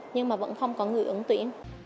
nhưng mà vẫn không có người ứng tuyển